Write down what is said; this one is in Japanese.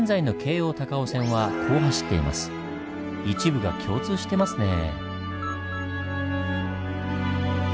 一部が共通してますね。